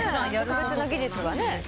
特別な技術はね。